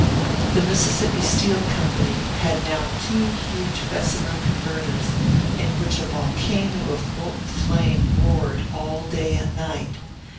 The Mississippi Steel Company had now two huge Bessemer converters, in which a volcano of molten flame roared all day and night.